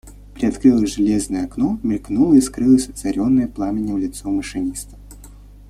Приоткрылось железное окно, мелькнуло и скрылось озаренное пламенем лицо машиниста.